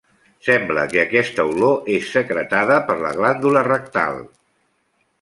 Sembla que aquesta olor és secretada per la glàndula rectal.